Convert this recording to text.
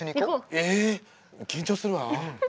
え緊張するわ。